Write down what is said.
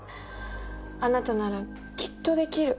あなたならきっと出来る。